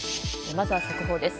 まずは速報です。